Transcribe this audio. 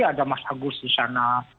ada mas agus di sana